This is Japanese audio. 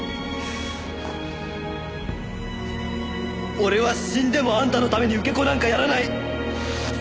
俺は死んでもあんたのために受け子なんかやらない！